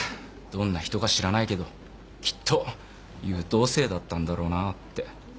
どんな人か知らないけどきっと優等生だったんだろうなって。